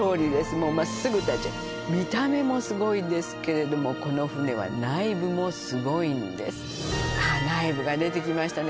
もうまっすぐ見た目もスゴいですけれどもこの船は内部もスゴいんですさあ内部が出てきましたね